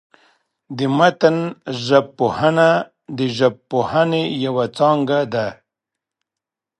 د متن ژبپوهنه، د ژبپوهني یوه څانګه ده.